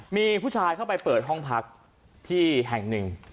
มีผู้ชายเข้าไปเปิดห้องพักที่แห่งหนึ่ง